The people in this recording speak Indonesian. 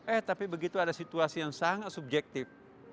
eh tapi begitu ada situasi yang sangat subjektif